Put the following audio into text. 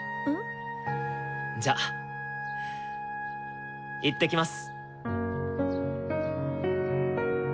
じゃ行ってきます！